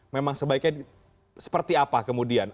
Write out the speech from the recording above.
memang sebaiknya seperti apa kemudian